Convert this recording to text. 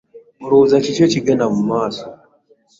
Olwooza kiki ekigenda mu maaso?